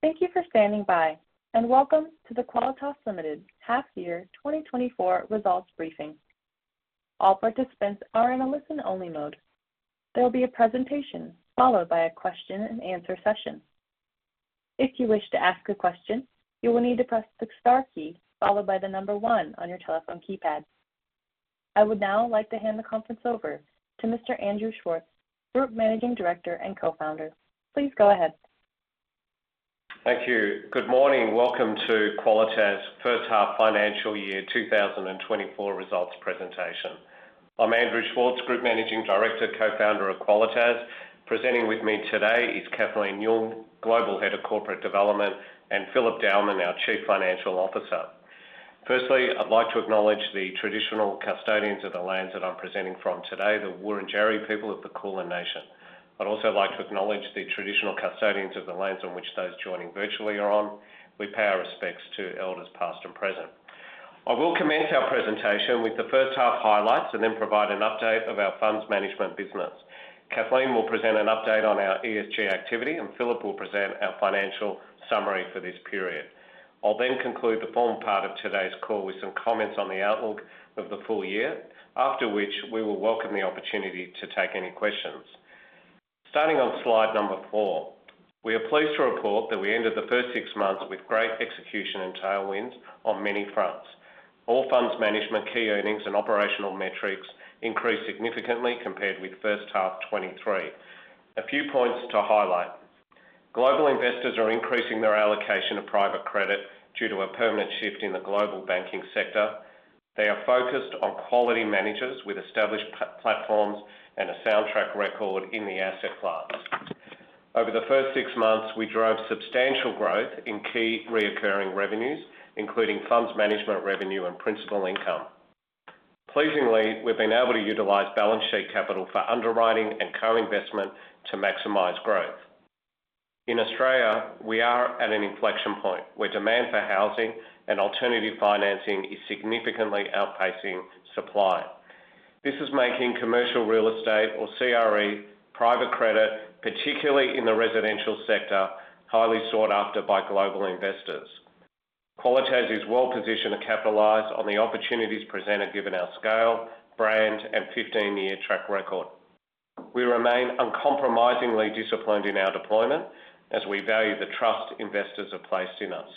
Thank you for standing by, and welcome to the Qualitas Limited Half Year 2024 Results Briefing. All participants are in a listen-only mode. There will be a presentation, followed by a question and answer session. If you wish to ask a question, you will need to press the star key, followed by the number one on your telephone keypad. I would now like to hand the conference over to Mr. Andrew Schwartz, Group Managing Director and Co-Founder. Please go ahead. Thank you. Good morning. Welcome to Qualitas' first half financial year 2024 results presentation. I'm Andrew Schwartz, Group Managing Director, Co-founder of Qualitas. Presenting with me today is Kathleen Yeung, Global Head of Corporate Development, and Philip Dowman, our Chief Financial Officer. Firstly, I'd like to acknowledge the traditional custodians of the lands that I'm presenting from today, the Wurundjeri people of the Kulin Nation. I'd also like to acknowledge the traditional custodians of the lands on which those joining virtually are on. We pay our respects to elders, past and present. I will commence our presentation with the first half highlights, and then provide an update of our funds management business. Kathleen will present an update on our ESG activity, and Philip will present our financial summary for this period. I'll then conclude the formal part of today's call with some comments on the outlook of the full year, after which we will welcome the opportunity to take any questions. Starting on slide number 4. We are pleased to report that we ended the first six months with great execution and tailwinds on many fronts. All funds management, key earnings, and operational metrics increased significantly compared with first half 2023. A few points to highlight: Global investors are increasing their allocation of private credit due to a permanent shift in the global banking sector. They are focused on quality managers with established platforms and a track record in the asset class. Over the first six months, we drove substantial growth in key recurring revenues, including funds management revenue, and principal income. Pleasingly, we've been able to utilize balance sheet capital for underwriting and co-investment to maximize growth. In Australia, we are at an inflection point, where demand for housing and alternative financing is significantly outpacing supply. This is making commercial real estate, or CRE, private credit, particularly in the residential sector, highly sought after by global investors. Qualitas is well positioned to capitalize on the opportunities presented, given our scale, brand, and 15-year track record. We remain uncompromisingly disciplined in our deployment as we value the trust investors have placed in us.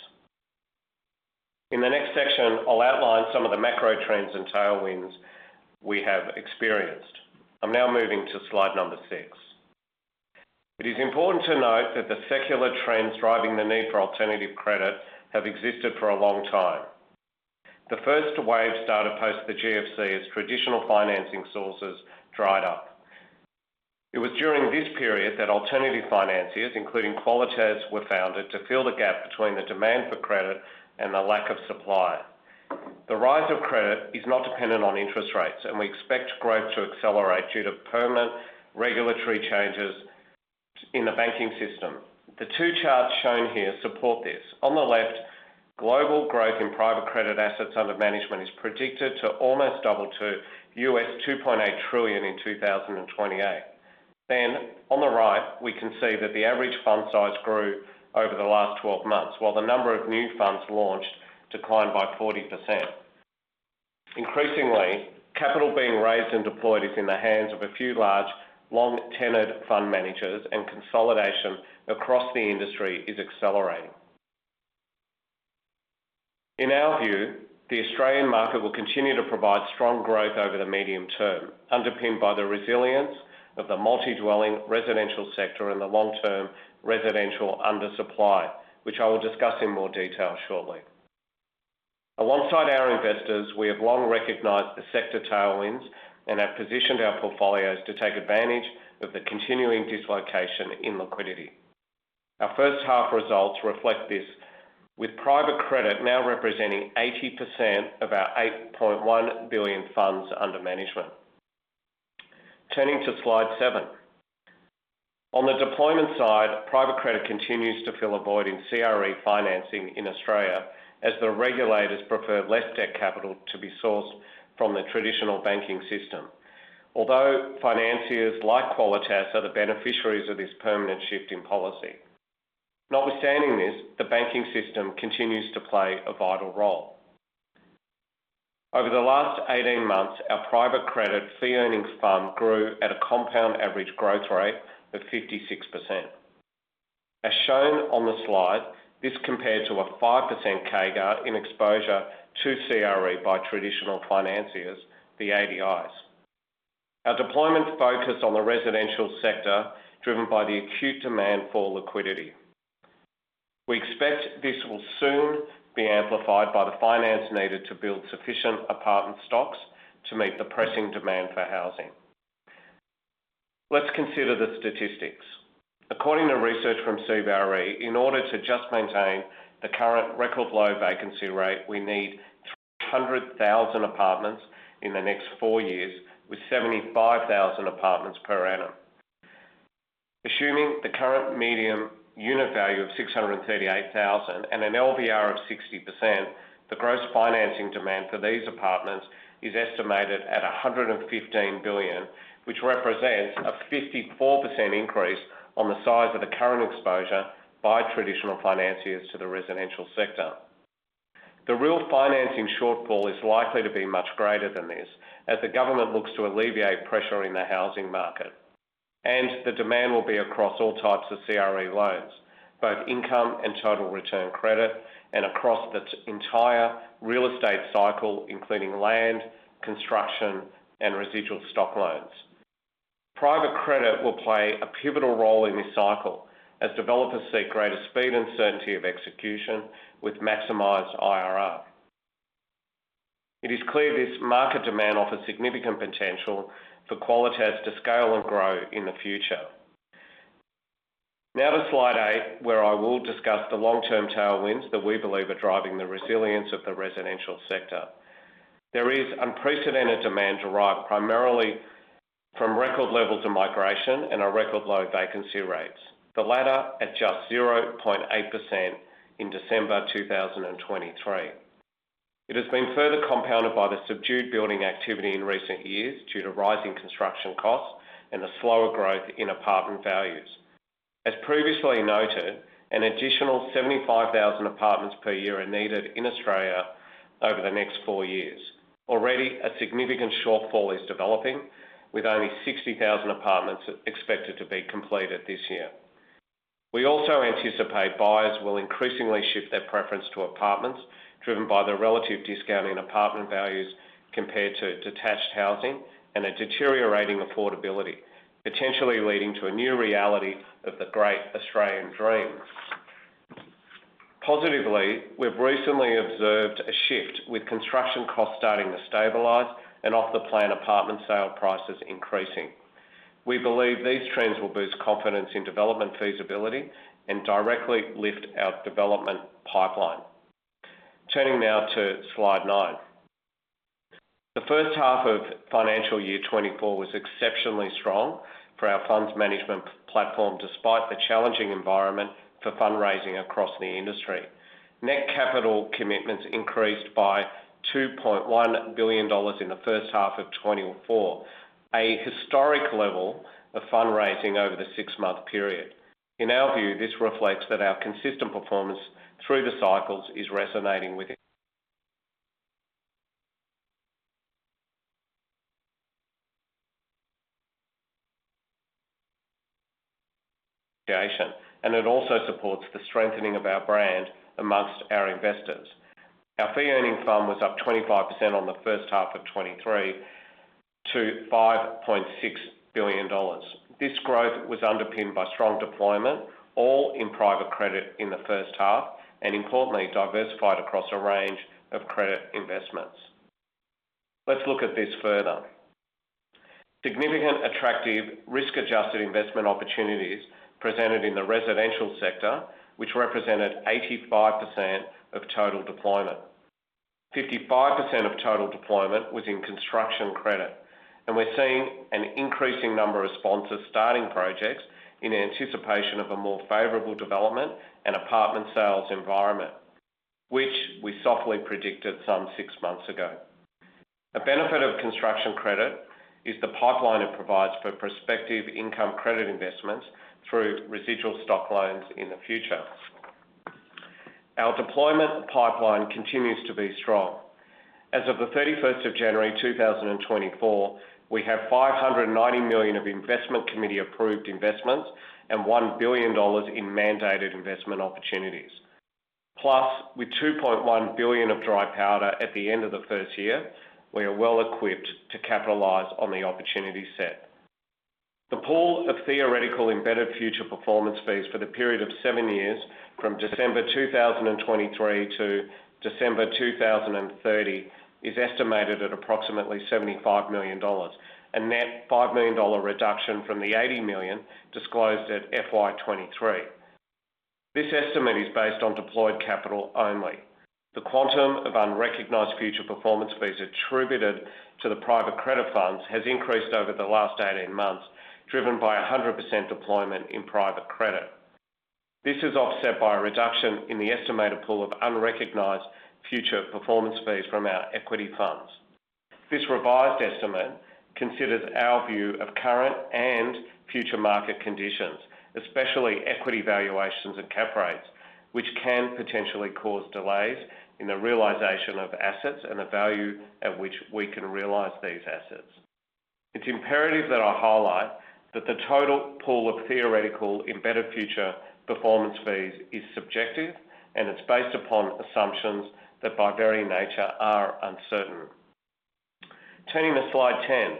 In the next section, I'll outline some of the macro trends and tailwinds we have experienced. I'm now moving to slide number 6. It is important to note that the secular trends driving the need for alternative credit have existed for a long time. The first wave started post the GFC as traditional financing sources dried up. It was during this period that alternative financiers, including Qualitas, were founded to fill the gap between the demand for credit and the lack of supply. The rise of credit is not dependent on interest rates, and we expect growth to accelerate due to permanent regulatory changes in the banking system. The two charts shown here support this. On the left, global growth in private credit assets under management is predicted to almost double to $2.8 trillion in 2028. Then on the right, we can see that the average fund size grew over the last 12 months, while the number of new funds launched declined by 40%. Increasingly, capital being raised and deployed is in the hands of a few large, long-tenured fund managers, and consolidation across the industry is accelerating. In our view, the Australian market will continue to provide strong growth over the medium term, underpinned by the resilience of the multi-dwelling residential sector and the long-term residential undersupply, which I will discuss in more detail shortly. Alongside our investors, we have long recognized the sector tailwinds and have positioned our portfolios to take advantage of the continuing dislocation in liquidity. Our first half results reflect this, with private credit now representing 80% of our 8.1 billion funds under management. Turning to slide 7. On the deployment side, private credit continues to fill a void in CRE financing in Australia, as the regulators prefer less debt capital to be sourced from the traditional banking system. Although financiers like Qualitas are the beneficiaries of this permanent shift in policy, notwithstanding this, the banking system continues to play a vital role. Over the last 18 months, our private credit fee earnings FUM grew at a compound average growth rate of 56%. As shown on the slide, this compared to a 5% CAGR in exposure to CRE by traditional financiers, the ADIs. Our deployment focus on the residential sector, driven by the acute demand for liquidity. We expect this will soon be amplified by the finance needed to build sufficient apartment stocks to meet the pressing demand for housing. Let's consider the statistics. According to research from CBRE, in order to just maintain the current record-low vacancy rate, we need 300,000 apartments in the next four years, with 75,000 apartments per annum. Assuming the current medium unit value of 638,000 and an LVR of 60%, the gross financing demand for these apartments is estimated at 115 billion, which represents a 54% increase on the size of the current exposure by traditional financiers to the residential sector. The real financing shortfall is likely to be much greater than this, as the government looks to alleviate pressure in the housing market, and the demand will be across all types of CRE loans, both income and total return credit, and across the entire real estate cycle, including land, construction, and residual stock loans. Private credit will play a pivotal role in this cycle as developers seek greater speed and certainty of execution with maximized IRR. It is clear this market demand offers significant potential for Qualitas to scale and grow in the future. Now to Slide 8, where I will discuss the long-term tailwinds that we believe are driving the resilience of the residential sector. There is unprecedented demand derived primarily from record levels of migration and a record low vacancy rates, the latter at just 0.8% in December 2023. It has been further compounded by the subdued building activity in recent years due to rising construction costs and the slower growth in apartment values. As previously noted, an additional 75,000 apartments per year are needed in Australia over the next four years. Already, a significant shortfall is developing, with only 60,000 apartments expected to be completed this year. We also anticipate buyers will increasingly shift their preference to apartments, driven by the relative discounting apartment values compared to detached housing and a deteriorating affordability, potentially leading to a new reality of the great Australian dream. Positively, we've recently observed a shift, with construction costs starting to stabilize and off-the-plan apartment sale prices increasing. We believe these trends will boost confidence in development feasibility and directly lift our development pipeline. Turning now to Slide 9. The first half of financial year 2024 was exceptionally strong for our funds management platform, despite the challenging environment for fundraising across the industry. Net capital commitments increased by 2.1 billion dollars in the first half of 2024, a historic level of fundraising over the six-month period. In our view, this reflects that our consistent performance through the cycles is resonating with engagement, and it also supports the strengthening of our brand among our investors. Our fee-earning FUM was up 25% on the first half of 2023 to 5.6 billion dollars. This growth was underpinned by strong deployment, all in private credit in the first half, and importantly, diversified across a range of credit investments. Let's look at this further. Significant attractive risk-adjusted investment opportunities presented in the residential sector, which represented 85% of total deployment. 55% of total deployment was in construction credit, and we're seeing an increasing number of sponsors starting projects in anticipation of a more favorable development and apartment sales environment, which we softly predicted some six months ago. The benefit of construction credit is the pipeline it provides for prospective income credit investments through residual stock loans in the future. Our deployment pipeline continues to be strong. As of the 31st of January 2024, we have 590 million of Investment Committee-approved investments and 1 billion dollars in mandated investment opportunities. Plus, with 2.1 billion of dry powder at the end of the first year, we are well equipped to capitalize on the opportunity set. The pool of theoretical embedded future performance fees for the period of 7 years, from December 2023 to December 2030, is estimated at approximately 75 million dollars, a net 5 million dollar reduction from the 80 million disclosed at FY 2023. This estimate is based on deployed capital only. The quantum of unrecognized future performance fees attributed to the private credit funds has increased over the last 18 months, driven by 100% deployment in private credit. This is offset by a reduction in the estimated pool of unrecognized future performance fees from our equity funds. This revised estimate considers our view of current and future market conditions, especially equity valuations and cap rates, which can potentially cause delays in the realization of assets and the value at which we can realize these assets. It's imperative that I highlight that the total pool of theoretical embedded future performance fees is subjective, and it's based upon assumptions that, by very nature, are uncertain. Turning to Slide 10,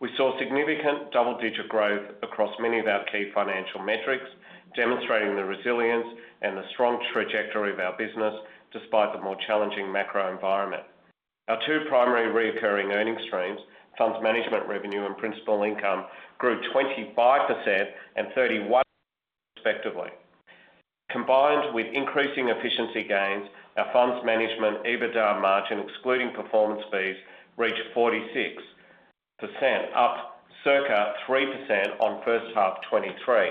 we saw significant double-digit growth across many of our key financial metrics, demonstrating the resilience and the strong trajectory of our business, despite the more challenging macro environment. Our two primary recurring earning streams, funds management revenue, and principal income, grew 25% and 31% respectively. Combined with increasing efficiency gains, our funds management EBITDA margin, excluding performance fees, reached 46%, up circa 3% on first half 2023.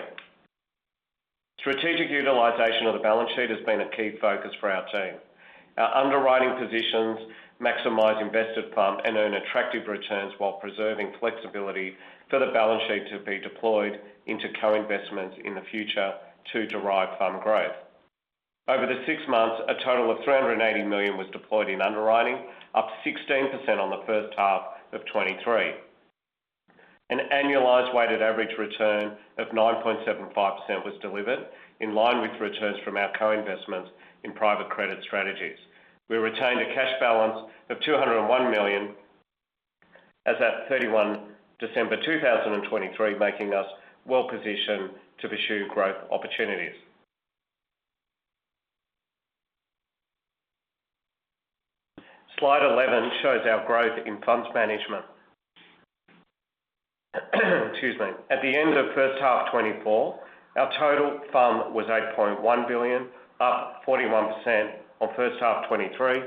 Strategic utilization of the balance sheet has been a key focus for our team. Our underwriting positions maximize invested FUM and earn attractive returns while preserving flexibility for the balance sheet to be deployed into co-investments in the future to derive FUM growth. Over the six months, a total of 380 million was deployed in underwriting, up 16% on the first half of 2023. An annualized weighted average return of 9.75% was delivered, in line with returns from our co-investments in private credit strategies. We retained a cash balance of 201 million as at 31 December 2023, making us well positioned to pursue growth opportunities. Slide 11 shows our growth in funds management. Excuse me. At the end of first half 2024, our total FUM was 8.1 billion, up 41% on first half 2023,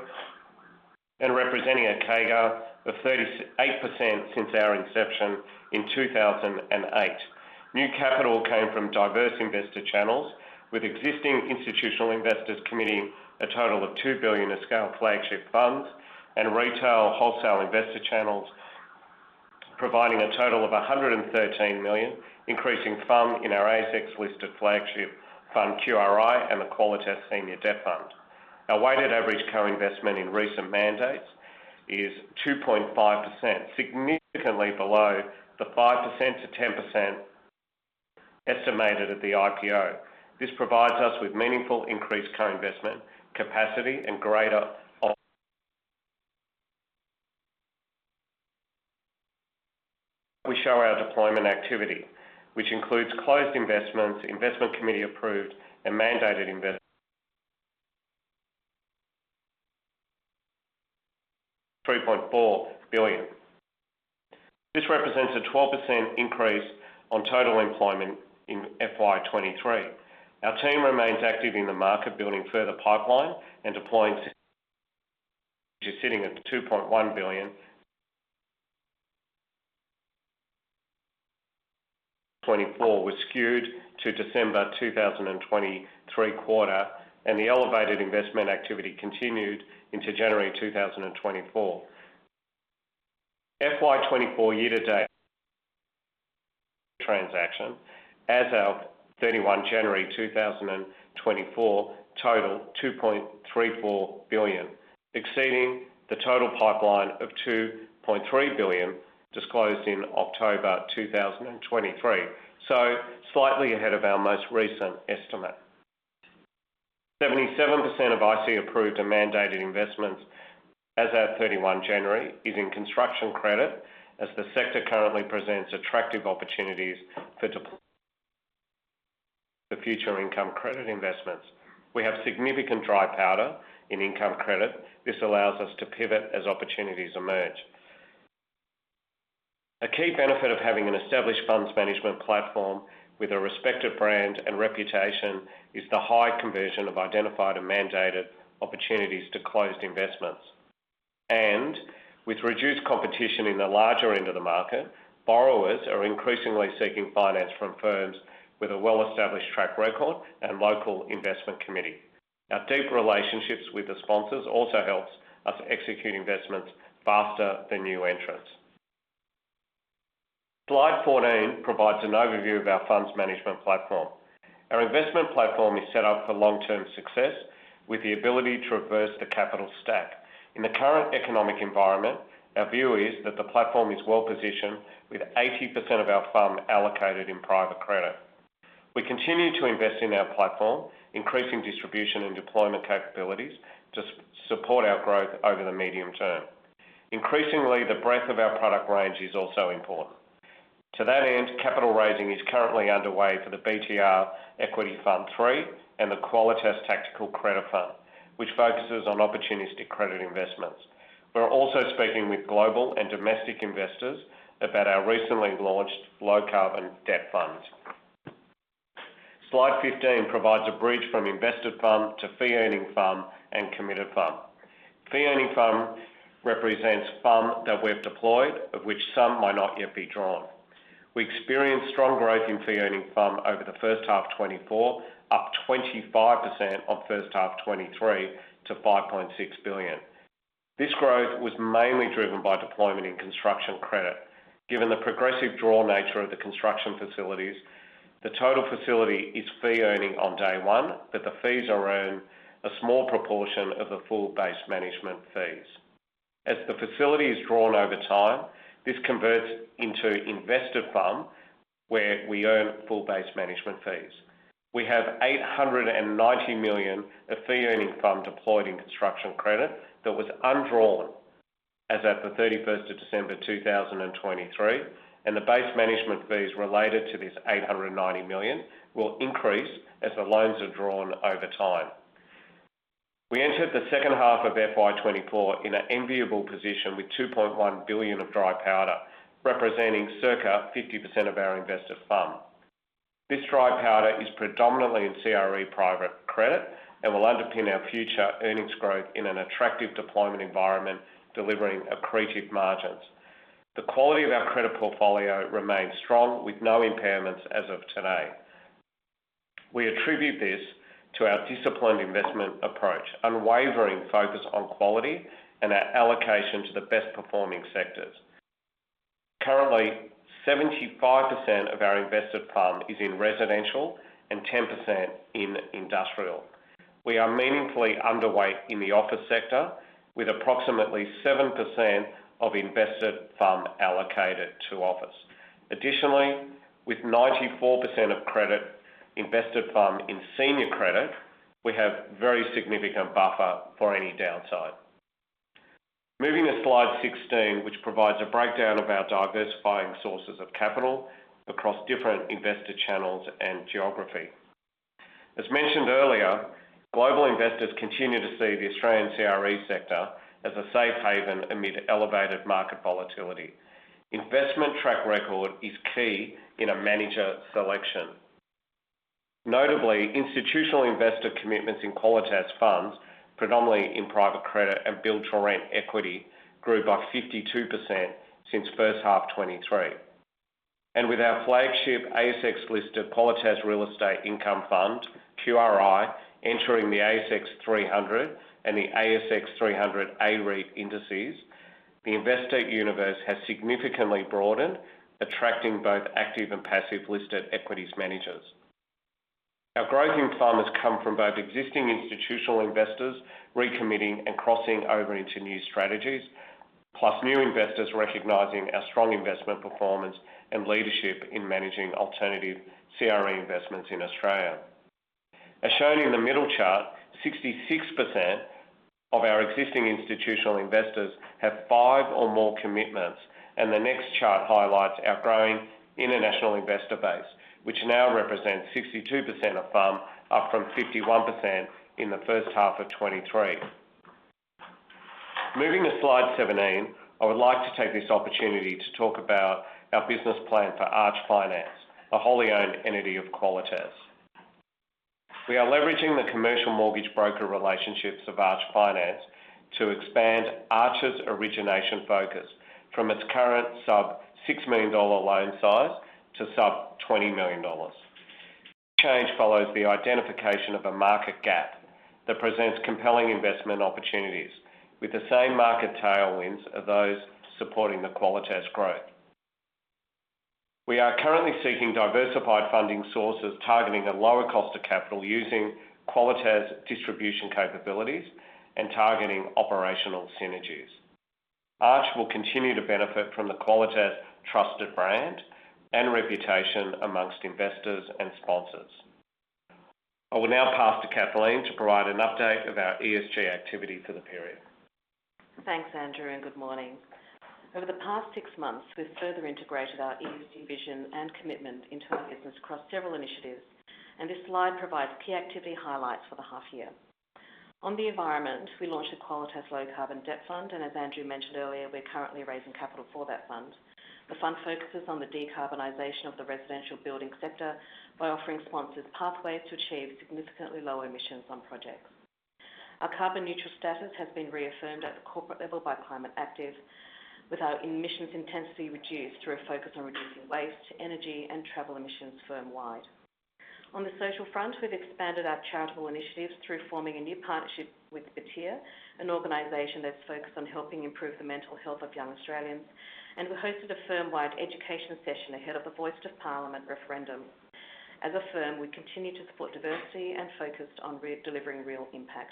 and representing a CAGR of 38% since our inception in 2008. New capital came from diverse investor channels, with existing institutional investors committing a total of 2 billion to scale flagship funds and retail wholesale investor channels, providing a total of 113 million, increasing FUM in our ASX-listed flagship Fund QRI and the Qualitas Senior Debt Fund. Our weighted average co-investment in recent mandates is 2.5%, significantly below the 5%-10% estimated at the IPO. This provides us with meaningful increased co-investment capacity and greater. We show our deployment activity, which includes closed investments, Investment Committee approved, and mandated investments: AUD 3.4 billion. This represents a 12% increase on total deployment in FY 2023. Our team remains active in the market, building further pipeline and deploying, which is sitting at AUD 2.1 billion. 2024 was skewed to December 2023 quarter, and the elevated investment activity continued into January 2024. FY 2024 year to date transactions as of 31 January 2024 total 2.34 billion, exceeding the total pipeline of 2.3 billion, disclosed in October 2023, so slightly ahead of our most recent estimate. 77% of IC approved and mandated investments as at 31 January is in construction credit, as the sector currently presents attractive opportunities for deploying the future income credit investments. We have significant dry powder in income credit. This allows us to pivot as opportunities emerge. A key benefit of having an established funds management platform with a respected brand and reputation is the high conversion of identified and mandated opportunities to closed investments. With reduced competition in the larger end of the market, borrowers are increasingly seeking finance from firms with a well-established track record and local investment committee. Our deep relationships with the sponsors also helps us execute investments faster than new entrants. Slide 14 provides an overview of our funds management platform. Our investment platform is set up for long-term success, with the ability to reverse the capital stack. In the current economic environment, our view is that the platform is well positioned with 80% of our FUM allocated in private credit. We continue to invest in our platform, increasing distribution and deployment capabilities to support our growth over the medium term. Increasingly, the breadth of our product range is also important. To that end, capital raising is currently underway for the BTR Equity Fund Three and the Qualitas Tactical Credit Fund, which focuses on opportunistic credit investments. We're also speaking with global and domestic investors about our recently launched low carbon debt funds. Slide 15 provides a bridge from invested FUM to fee-earning FUM and committed FUM. Fee-earning FUM represents FUM that we've deployed, of which some might not yet be drawn. We experienced strong growth in fee-earning FUM over the first half of 2024, up 25% on first half 2023 to 5.6 billion. This growth was mainly driven by deployment and construction credit. Given the progressive draw nature of the construction facilities, the total facility is fee earning on day one, but the fees are earned a small proportion of the full base management fees. As the facility is drawn over time, this converts into invested FUM, where we earn full base management fees. We have 890 million of fee-earning FUM deployed in construction credit that was undrawn as at the 31st of December 2023, and the base management fees related to this 890 million will increase as the loans are drawn over time. We entered the second half of FY 2024 in an enviable position with 2.1 billion of dry powder, representing circa 50% of our invested FUM. This dry powder is predominantly in CRE private credit and will underpin our future earnings growth in an attractive deployment environment, delivering accretive margins. The quality of our credit portfolio remains strong, with no impairments as of today. We attribute this to our disciplined investment approach, unwavering focus on quality, and our allocation to the best performing sectors. Currently, 75% of our invested FUM is in residential and 10% in industrial. We are meaningfully underweight in the office sector, with approximately 7% of invested FUM allocated to office. Additionally, with 94% of credit invested FUM in senior credit, we have very significant buffer for any downside. Moving to slide 16, which provides a breakdown of our diversifying sources of capital across different investor channels and geography. As mentioned earlier, global investors continue to see the Australian CRE sector as a safe haven amid elevated market volatility. Investment track record is key in a manager selection. Notably, institutional investor commitments in Qualitas funds, predominantly in private credit and build-to-rent equity, grew by 52% since first half 2023. And with our flagship ASX-listed Qualitas Real Estate Income Fund, QRI, entering the ASX 300 and the ASX 300 A-REIT indices, the investor universe has significantly broadened, attracting both active and passive listed equities managers. Our growth in FUM has come from both existing institutional investors recommitting and crossing over into new strategies, plus new investors recognizing our strong investment performance and leadership in managing alternative CRE investments in Australia. As shown in the middle chart, 66% of our existing institutional investors have five or more commitments, and the next chart highlights our growing international investor base, which now represents 62% of FUM, up from 51% in the first half of 2023. Moving to slide 17, I would like to take this opportunity to talk about our business plan for Arch Finance, a wholly owned entity of Qualitas. We are leveraging the commercial mortgage broker relationships of Arch Finance to expand Arch's origination focus from its current sub 6 million dollar loan size to sub 20 million dollars. Change follows the identification of a market gap that presents compelling investment opportunities with the same market tailwinds of those supporting the Qualitas growth. We are currently seeking diversified funding sources, targeting a lower cost of capital using Qualitas distribution capabilities and targeting operational synergies. Arch will continue to benefit from the Qualitas trusted brand and reputation among investors and sponsors. I will now pass to Kathleen to provide an update of our ESG activity for the period. Thanks, Andrew, and good morning. Over the past six months, we've further integrated our ESG vision and commitment into our business across several initiatives, and this slide provides key activity highlights for the half year. On the environment, we launched a Qualitas Low Carbon Debt Fund, and as Andrew mentioned earlier, we're currently raising capital for that fund. The fund focuses on the decarbonization of the residential building sector by offering sponsors pathways to achieve significantly lower emissions on projects. Our carbon neutral status has been reaffirmed at the corporate level by Climate Active, with our emissions intensity reduced through a focus on reducing waste, energy, and travel emissions firm-wide. On the social front, we've expanded our charitable initiatives through forming a new partnership with Batyr, an organization that's focused on helping improve the mental health of young Australians. We hosted a firm-wide education session ahead of the Voice to Parliament Referendum. As a firm, we continue to support diversity and focused on redelivering real impact.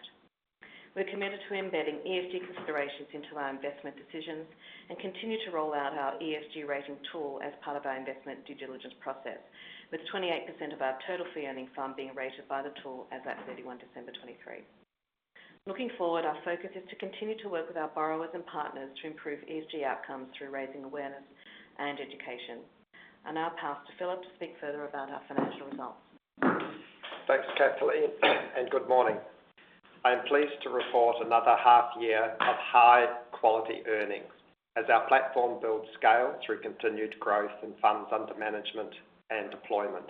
We're committed to embedding ESG considerations into our investment decisions and continue to roll out our ESG rating tool as part of our investment due diligence process, with 28% of our total fee-earning FUM being rated by the tool as at 31 December 2023. Looking forward, our focus is to continue to work with our borrowers and partners to improve ESG outcomes through raising awareness and education. I now pass to Philip to speak further about our financial results. Thanks, Kathleen, and good morning. I am pleased to report another half year of high-quality earnings as our platform builds scale through continued growth in funds under management and deployment.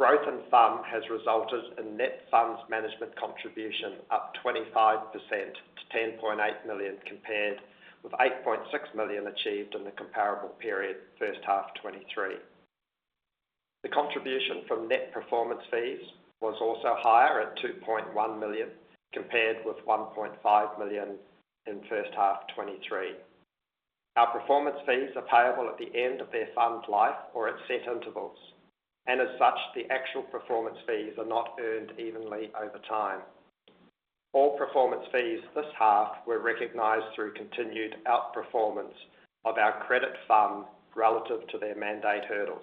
Growth in FUM has resulted in net funds management contribution up 25% to 10.8 million, compared with 8.6 million achieved in the comparable period, first half 2023. The contribution from net performance fees was also higher at 2.1 million, compared with 1.5 million in first half 2023. Our performance fees are payable at the end of their fund life or at set intervals, and as such, the actual performance fees are not earned evenly over time. All performance fees this half were recognized through continued outperformance of our credit FUM relative to their mandate hurdles.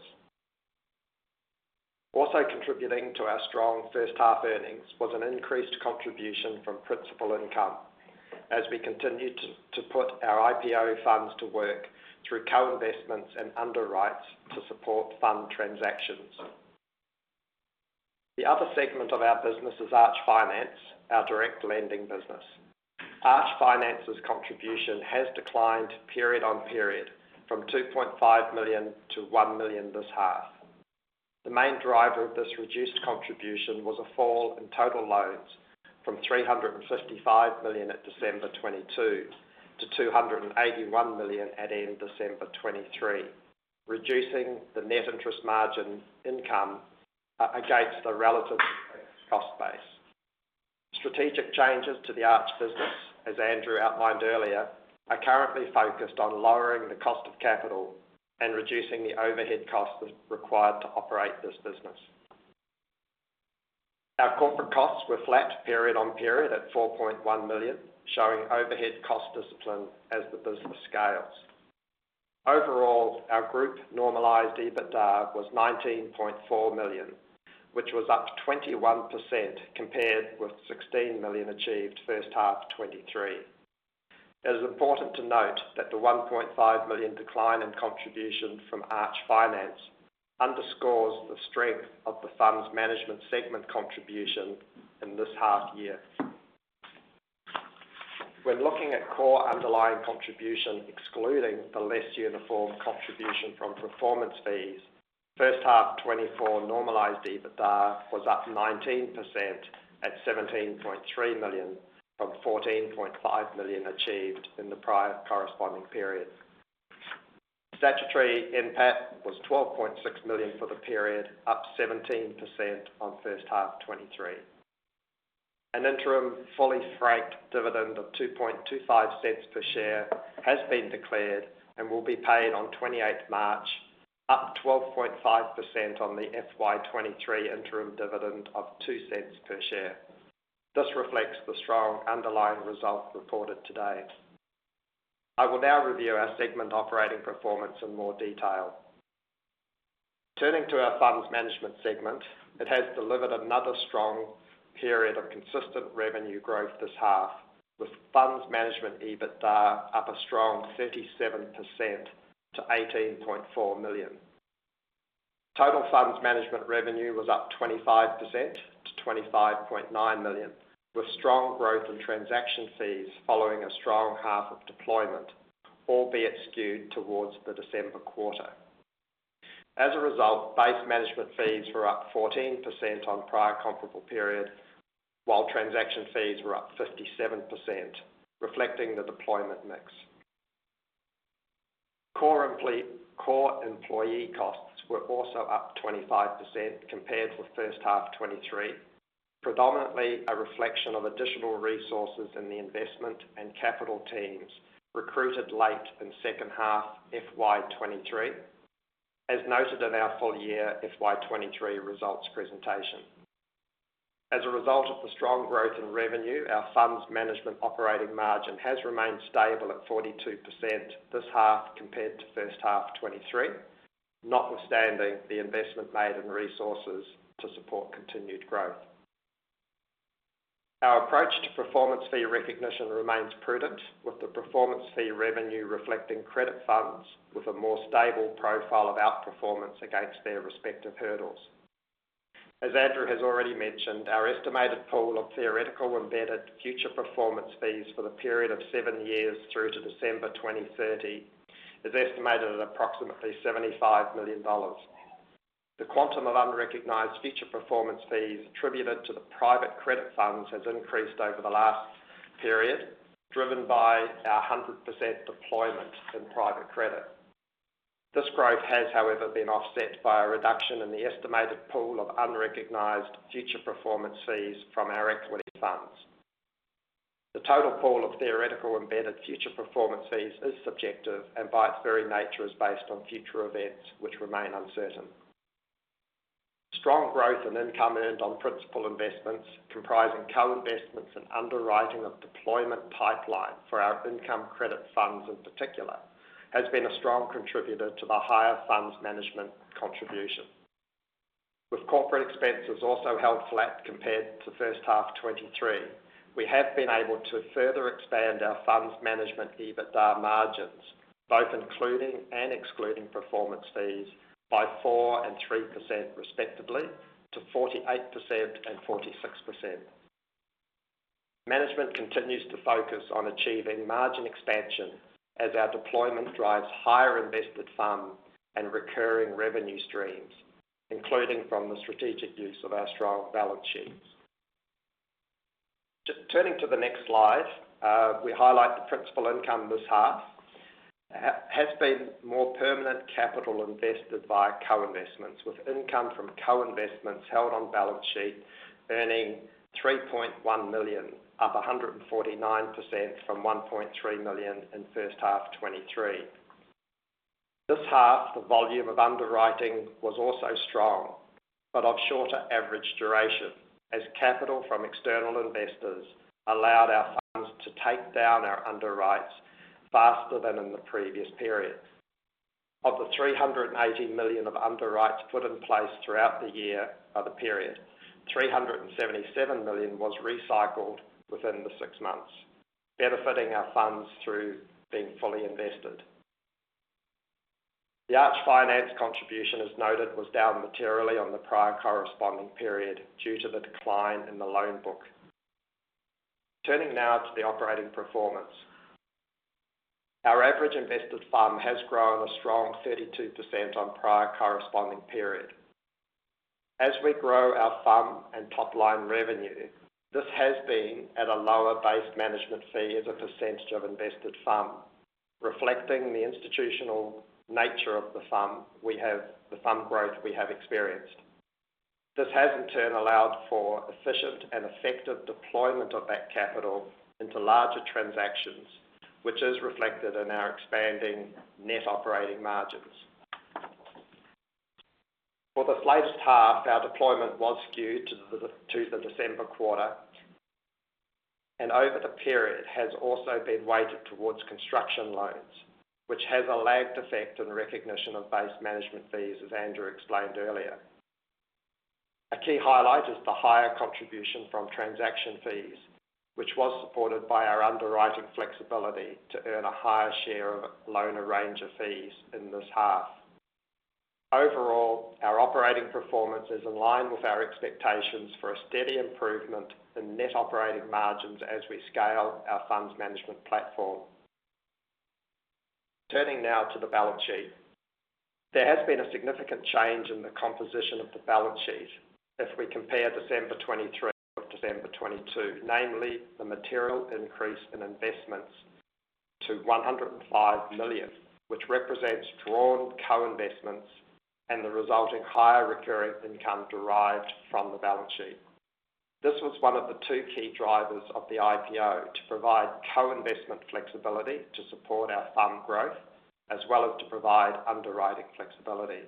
Also contributing to our strong first half earnings was an increased contribution from principal income as we continued to put our IPO funds to work through co-investments and underwrites to support FUM transactions. The other segment of our business is Arch Finance, our direct lending business. Arch Finance's contribution has declined period-on-period from 2.5 million to 1 million this half. The main driver of this reduced contribution was a fall in total loans from 355 million at December 2022 to 281 million at end December 2023, reducing the net interest margin income against a relative cost base. Strategic changes to the Arch business, as Andrew outlined earlier, are currently focused on lowering the cost of capital and reducing the overhead costs required to operate this business. Our corporate costs were flat, period-on-period at 4.1 million, showing overhead cost discipline as the business scales. Overall, our group normalized EBITDA was 19.4 million, which was up 21% compared with 16 million achieved first half 2023. It is important to note that the 1.5 million decline in contribution from Arch Finance underscores the strength of the funds management segment contribution in this half year. When looking at core underlying contribution, excluding the less uniform contribution from performance fees, first half 2024 normalized EBITDA was up 19% at 17.3 million, from 14.5 million achieved in the prior corresponding period. Statutory NPAT was 12.6 million for the period, up 17% on first half 2023. An interim, fully franked dividend of 0.0225 per share has been declared and will be paid on 28th March, up 12.5% on the FY 2023 interim dividend of 0.02 per share. This reflects the strong underlying results reported today. I will now review our segment operating performance in more detail. Turning to our funds management segment, it has delivered another strong period of consistent revenue growth this half, with funds management EBITDA up a strong 37% to 18.4 million. Total funds management revenue was up 25% to 25.9 million, with strong growth in transaction fees following a strong half of deployment, albeit skewed towards the December quarter. As a result, base management fees were up 14% on prior comparable period, while transaction fees were up 57%, reflecting the deployment mix. Core employee costs were also up 25% compared with first half 2023, predominantly a reflection of additional resources in the investment and capital teams recruited late in second half FY 2023, as noted in our full year FY 2023 results presentation. As a result of the strong growth in revenue, our funds management operating margin has remained stable at 42% this half compared to first half 2023, notwithstanding the investment made in resources to support continued growth. Our approach to performance fee recognition remains prudent, with the performance fee revenue reflecting credit funds with a more stable profile of outperformance against their respective hurdles. As Andrew has already mentioned, our estimated pool of theoretical embedded future performance fees for the period of 7 years through to December 2030, is estimated at approximately 75 million dollars. The quantum of unrecognized future performance fees attributed to the private credit funds has increased over the last period, driven by our 100% deployment in private credit. This growth has, however, been offset by a reduction in the estimated pool of unrecognized future performance fees from our equity funds. The total pool of theoretical embedded future performance fees is subjective and by its very nature, is based on future events which remain uncertain. Strong growth in income earned on principal investments, comprising co-investments and underwriting of deployment pipeline for our income credit funds in particular, has been a strong contributor to the higher funds management contribution. With corporate expenses also held flat compared to first half 2023, we have been able to further expand our funds management EBITDA margins, both including and excluding performance fees by 4% and 3% respectively, to 48% and 46%. Management continues to focus on achieving margin expansion as our deployment drives higher invested FUM and recurring revenue streams, including from the strategic use of our strong balance sheets. Turning to the next slide, we highlight the principal income this half has been more permanent capital invested via co-investments, with income from co-investments held on balance sheet, earning 3.1 million, up 149% from 1.3 million in first half 2023. This half, the volume of underwriting was also strong, but of shorter average duration, as capital from external investors allowed our funds to take down our underwrites faster than in the previous periods. Of the 380 million of underwrites put in place throughout the year, the period, 377 million was recycled within the 6 months, benefiting our funds through being fully invested. The Arch Finance contribution, as noted, was down materially on the prior corresponding period due to the decline in the loan book. Turning now to the operating performance. Our average invested FUM has grown a strong 32% on prior corresponding period. As we grow our FUM and top line revenue, this has been at a lower base management fee as a percentage of invested FUM, reflecting the institutional nature of the fund, we have the fund growth we have experienced. This has, in turn, allowed for efficient and effective deployment of that capital into larger transactions, which is reflected in our expanding net operating margins. For this latest half, our deployment was skewed to the December quarter, and over the period, has also been weighted towards construction loans, which has a lagged effect on the recognition of base management fees, as Andrew explained earlier. A key highlight is the higher contribution from transaction fees, which was supported by our underwriting flexibility to earn a higher share of loan arranger fees in this half. Overall, our operating performance is in line with our expectations for a steady improvement in net operating margins as we scale our funds management platform. Turning now to the balance sheet. There has been a significant change in the composition of the balance sheet as we compare December 2023 to December 2022, namely the material increase in investments to 105 million, which represents drawn co-investments and the resulting higher recurring income derived from the balance sheet. This was one of the two key drivers of the IPO: to provide co-investment flexibility to support our fund growth, as well as to provide underwriting flexibility.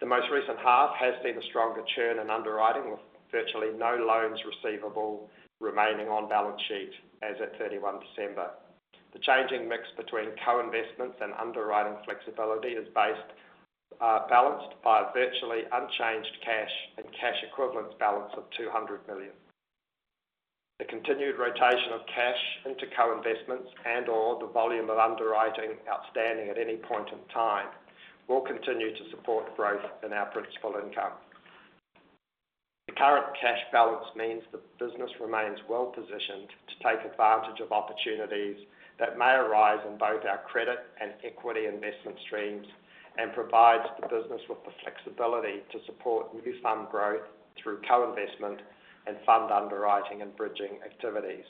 The most recent half has seen a stronger churn in underwriting, with virtually no loans receivable remaining on balance sheet as at 31 December. The changing mix between co-investments and underwriting flexibility is based, balanced by a virtually unchanged cash and cash equivalent balance of 200 million. The continued rotation of cash into co-investments and/or the volume of underwriting outstanding at any point in time, will continue to support growth in our principal income. The current cash balance means the business remains well positioned to take advantage of opportunities that may arise in both our credit and equity investment streams, and provides the business with the flexibility to support new fund growth through co-investment and fund underwriting and bridging activities.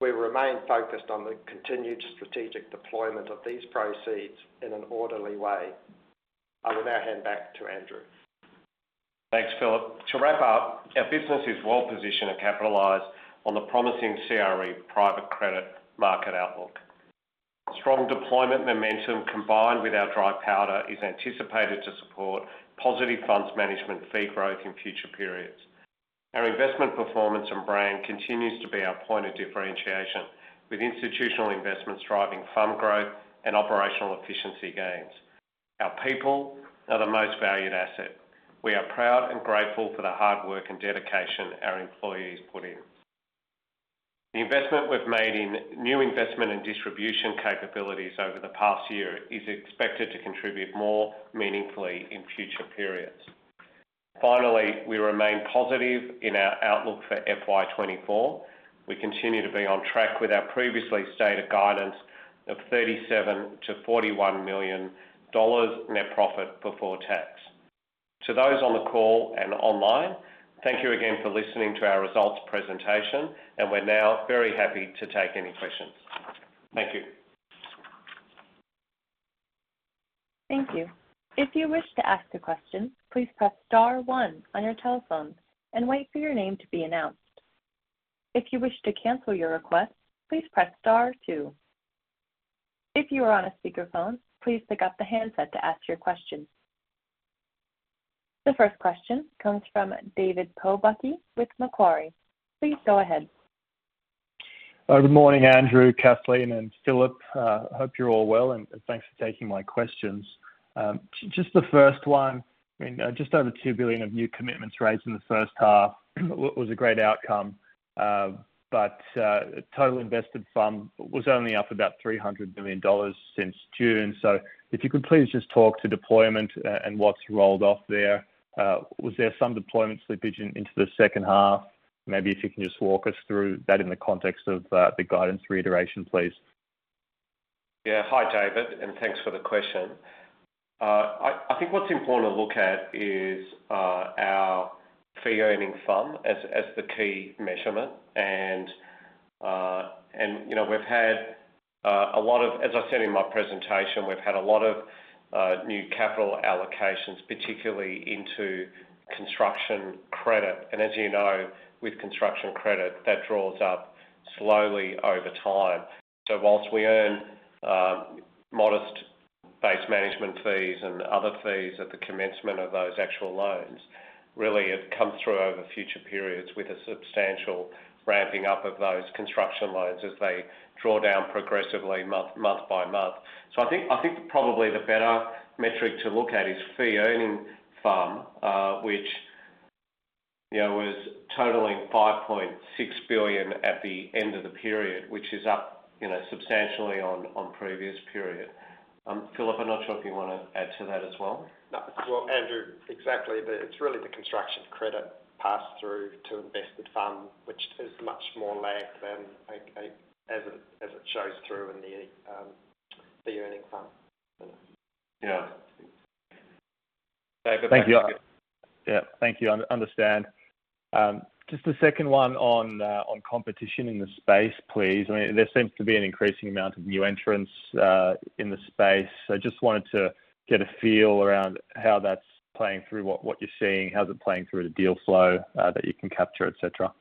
We remain focused on the continued strategic deployment of these proceeds in an orderly way. I will now hand back to Andrew. Thanks, Philip. To wrap up, our business is well positioned to capitalize on the promising CRE private credit market outlook. Strong deployment momentum, combined with our dry powder, is anticipated to support positive funds management fee growth in future periods. Our investment performance and brand continues to be our point of differentiation, with institutional investments driving fund growth and operational efficiency gains. Our people are the most valued asset. We are proud and grateful for the hard work and dedication our employees put in. The investment we've made in new investment and distribution capabilities over the past year is expected to contribute more meaningfully in future periods. Finally, we remain positive in our outlook for FY 2024. We continue to be on track with our previously stated guidance of 37-41 million dollars net profit before tax. To those on the call and online, thank you again for listening to our results presentation, and we're now very happy to take any questions. Thank you. Thank you. If you wish to ask a question, please press star one on your telephone and wait for your name to be announced. If you wish to cancel your request, please press star two. If you are on a speakerphone, please pick up the handset to ask your question. The first question comes from David Pobucky with Macquarie. Please go ahead. Good morning, Andrew, Kathleen, and Philip. Hope you're all well, and thanks for taking my questions. Just the first one, I mean, just over 2 billion of new commitments raised in the first half was a great outcome. But total invested fund was only up about 300 million dollars since June. So if you could please just talk to deployment and what's rolled off there. Was there some deployment slippage into the second half? Maybe if you can just walk us through that in the context of the guidance reiteration, please. Yeah. Hi, David, and thanks for the question. I think what's important to look at is our fee earning fund as the key measurement. And, and, you know, we've had, as I said in my presentation, we've had a lot of new capital allocations, particularly into construction credit. And as you know, with construction credit, that draws up slowly over time. So whilst we earn modest base management fees and other fees at the commencement of those actual loans, really it comes through over future periods with a substantial ramping up of those construction loans as they draw down progressively month, month by month. So I think, I think probably the better metric to look at is fee earning fund, which, you know, was totaling 5.6 billion at the end of the period, which is up, you know, substantially on, on previous period. Philip, I'm not sure if you want to add to that as well. No. Well, Andrew, exactly. It's really the construction credit pass-through to invested fund, which is much more lagged than as it shows through in the earning fund. Thank you. Yeah, thank you. Understood. Just the second one on competition in the space, please. I mean, there seems to be an increasing amount of new entrants in the space. So I just wanted to get a feel around how that's playing through, what you're seeing, how's it playing through the deal flow that you can capture, et cetera?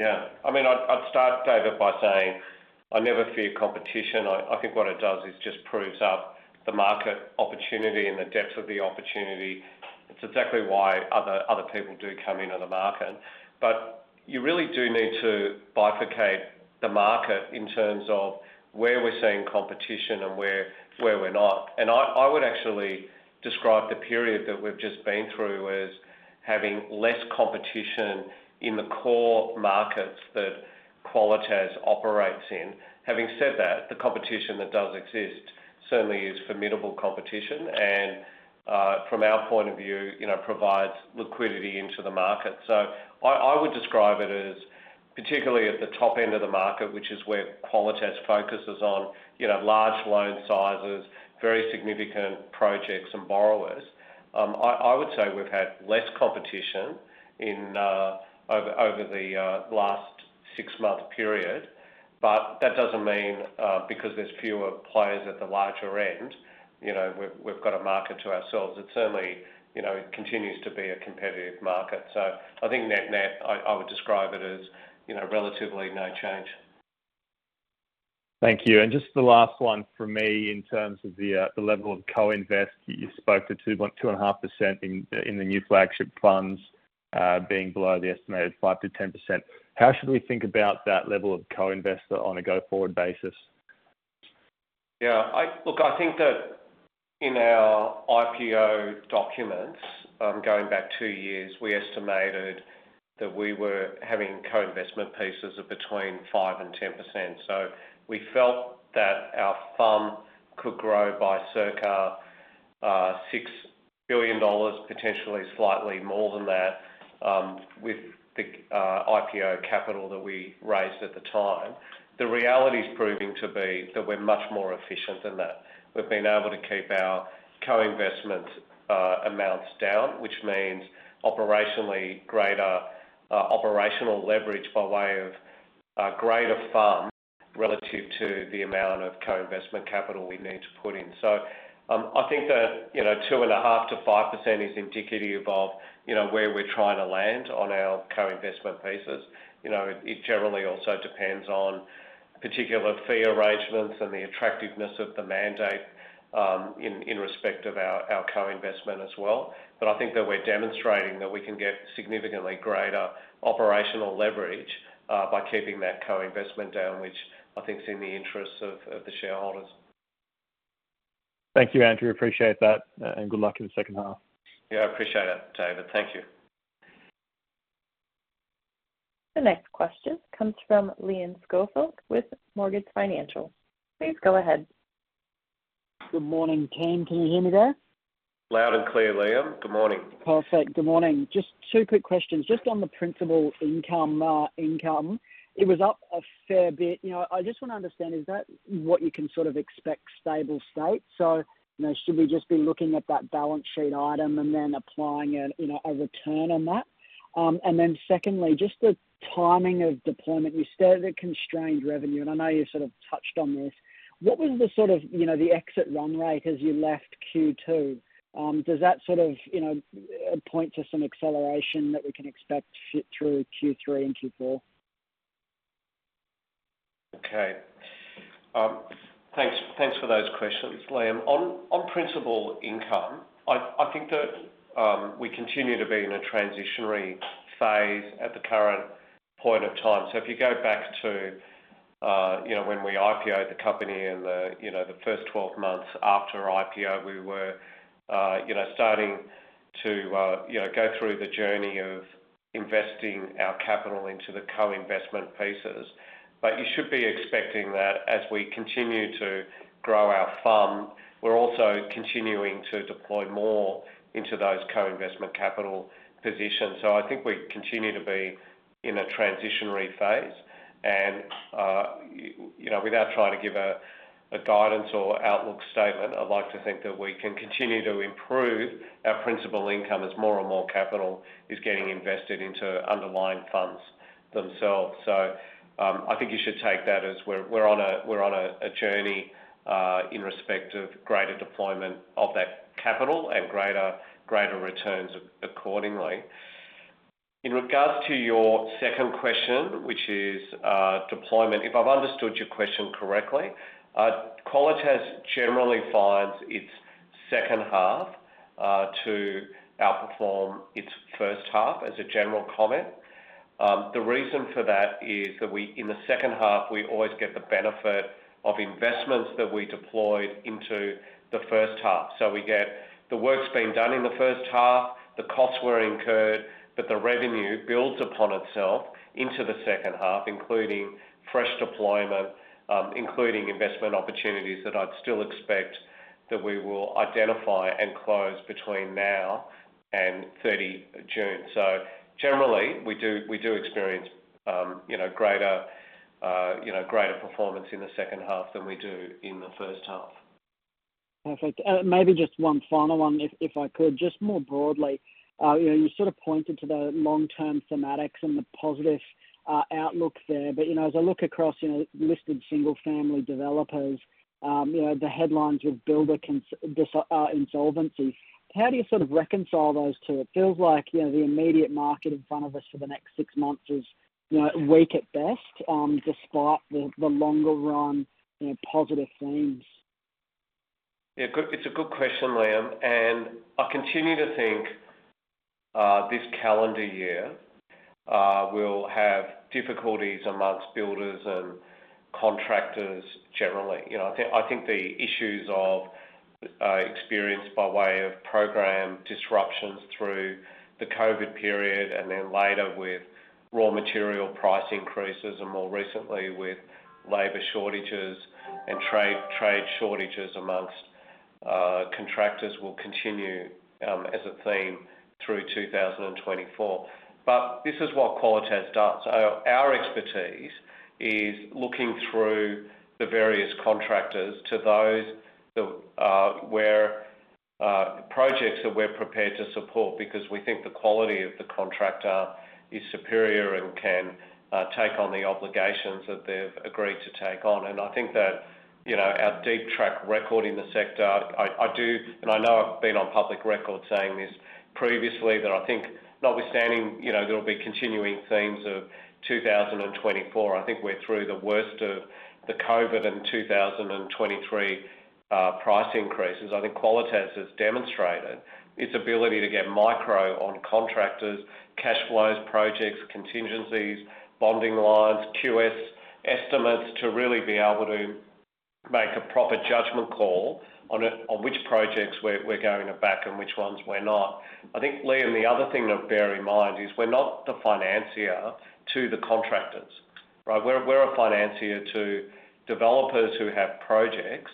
Yeah. I mean, I'd start, David, by saying I never fear competition. I, I think what it does is just proves up the market opportunity and the depth of the opportunity. It's exactly why other, other people do come into the market. But you really do need to bifurcate the market in terms of where we're seeing competition and where, where we're not. And I, I would actually describe the period that we've just been through as having less competition in the core markets that Qualitas operates in. Having said that, the competition that does exist certainly is formidable competition, and from our point of view, you know, provides liquidity into the market. So I, I would describe it as, particularly at the top end of the market, which is where Qualitas focuses on, you know, large loan sizes, very significant projects and borrowers. I would say we've had less competition in over the last six-month period, but that doesn't mean because there's fewer players at the larger end, you know, we've got a market to ourselves. It certainly, you know, continues to be a competitive market. So I think net-net, I would describe it as, you know, relatively no change. Thank you, and just the last one from me in terms of the level of co-invest. You spoke to 2.5% in the new flagship funds being below the estimated 5%-10%. How should we think about that level of co-investor on a go-forward basis? Yeah, look, I think that in our IPO documents, going back two years, we estimated that we were having co-investment pieces of between 5%-10%. So we felt that our FUM could grow by circa 6 billion dollars, potentially slightly more than that, with the IPO capital that we raised at the time. The reality is proving to be that we're much more efficient than that. We've been able to keep our co-investment amounts down, which means operationally greater operational leverage by way of a greater FUM relative to the amount of co-investment capital we need to put in. So, I think that, you know, 2.5%-5.0% is indicative of, you know, where we're trying to land on our co-investment pieces. You know, it generally also depends on particular fee arrangements and the attractiveness of the mandate, in respect of our co-investment as well. But I think that we're demonstrating that we can get significantly greater operational leverage, by keeping that co-investment down, which I think is in the interests of the shareholders. Thank you, Andrew. Appreciate that, and good luck in the second half. Yeah, I appreciate it, David. Thank you. The next question comes from Liam Schofield with Morgans Financial. Please go ahead. Good morning, team. Can you hear me there? Loud and clear, Liam. Good morning. Perfect. Good morning. Just two quick questions. Just on the principal income, income, it was up a fair bit. You know, I just want to understand, is that what you can sort of expect stable state? So, you know, should we just be looking at that balance sheet item and then applying a, you know, a return on that? And then secondly, just the timing of deployment. You stated a constrained revenue, and I know you sort of touched on this. What was the sort of, you know, the exit run rate as you left Q2? Does that sort of, you know, point to some acceleration that we can expect sh- through Q3 and Q4? Okay. Thanks, thanks for those questions, Liam. On, on principal income, I think that we continue to be in a transitionary phase at the current point of time. So if you go back to, you know, when we IPO-ed the company and the, you know, the first 12 months after IPO, we were, you know, starting to, you know, go through the journey of investing our capital into the co-investment pieces. But you should be expecting that as we continue to grow our FUM, we're also continuing to deploy more into those co-investment capital positions. So I think we continue to be in a transitionary phase, and, you know, without trying to give a guidance or outlook statement, I'd like to think that we can continue to improve our principal income as more and more capital is getting invested into underlying funds themselves. So, I think you should take that as we're on a journey in respect of greater deployment of that capital and greater returns accordingly. In regards to your second question, which is deployment, if I've understood your question correctly, Qualitas generally finds its second half to outperform its first half as a general comment. The reason for that is that we, in the second half, we always get the benefit of investments that we deployed into the first half. So we get the work's been done in the first half, the costs were incurred, but the revenue builds upon itself into the second half, including fresh deployment, including investment opportunities that I'd still expect that we will identify and close between now and 30 June. So generally, we do, we do experience, you know, greater, you know, greater performance in the second half than we do in the first half. Perfect. Maybe just one final one, if I could. Just more broadly, you know, you sort of pointed to the long-term thematics and the positive outlook there. But, you know, as I look across, you know, listed single-family developers, you know, the headlines with builder insolvency, how do you sort of reconcile those two? It feels like, you know, the immediate market in front of us for the next six months is, you know, weak at best, despite the longer run, you know, positive themes. Yeah, good. It's a good question, Liam, and I continue to think this calendar year will have difficulties amongst builders and contractors generally. You know, I think the issues experienced by way of program disruptions through the COVID period, and then later with raw material price increases, and more recently with labor shortages and trade shortages amongst contractors, will continue as a theme through 2024. But this is what Qualitas does. Our expertise is looking through the various contractors to those where projects that we're prepared to support because we think the quality of the contractor is superior and can take on the obligations that they've agreed to take on. And I think that, you know, our deep track record in the sector, I, I do, and I know I've been on public record saying this previously, that I think notwithstanding, you know, there'll be continuing themes of 2024, I think we're through the worst of the COVID in 2023, price increases. I think Qualitas has demonstrated its ability to get micro on contractors, cash flows, projects, contingencies, bonding lines, QS estimates, to really be able to make a proper judgment call on on which projects we're, we're going to back and which ones we're not. I think, Liam, the other thing to bear in mind is we're not the financier to the contractors, right? We're, we're a financier to developers who have projects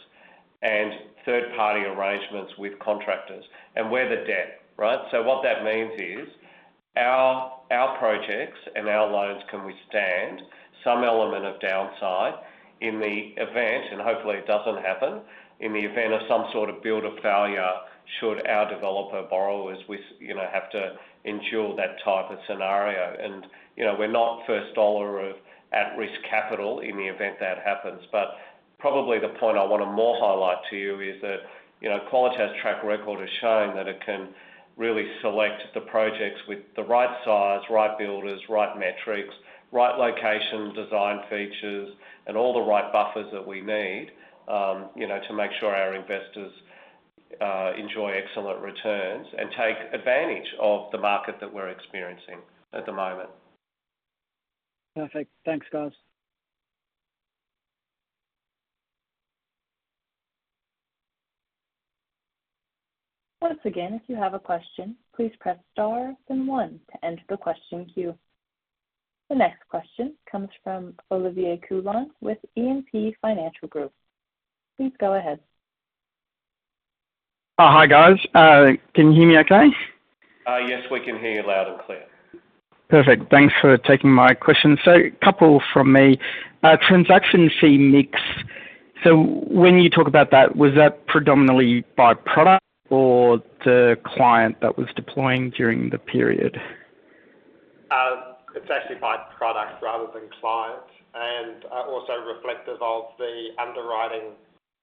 and third-party arrangements with contractors, and we're the debt, right? So what that means is, our projects and our loans can withstand some element of downside in the event, and hopefully it doesn't happen, in the event of some sort of builder failure, should our developer borrowers, you know, have to insure that type of scenario. And, you know, we're not first dollar of at-risk capital in the event that happens. But probably the point I want to more highlight to you is that, you know, Qualitas' track record has shown that it can really select the projects with the right size, right builders, right metrics, right location, design features, and all the right buffers that we need, you know, to make sure our investors enjoy excellent returns and take advantage of the market that we're experiencing at the moment. Perfect. Thanks, guys. Once again, if you have a question, please press Star then One to enter the question queue. The next question comes from Olivier Coulon with E&P Financial Group. Please go ahead. Oh, hi, guys. Can you hear me okay? Yes, we can hear you loud and clear. Perfect. Thanks for taking my question. So a couple from me. Transaction fee mix, so when you talk about that, was that predominantly by product or the client that was deploying during the period? It's actually by product rather than client, and also reflective of the underwriting